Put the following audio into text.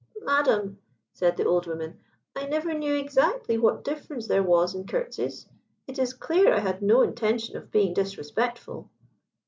"Madam," said the old woman, "I never knew exactly what difference there was in curtseys. It is clear I had no intention of being disrespectful."